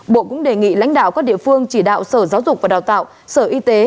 bộ cũng đề nghị lãnh đạo các địa phương chỉ đạo sở giáo dục và đào tạo sở y tế